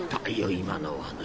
今のはね。